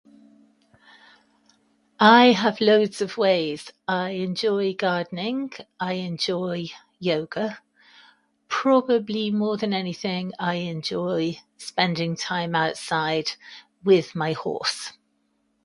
I have loads of ways. I enjoy gardening, I enjoy yoga, probably more than anything I enjoy spending time outside with my horse.